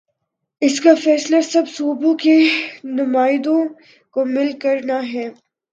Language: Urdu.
اس کا فیصلہ سب صوبوں کے نمائندوں کو مل کر نا ہے۔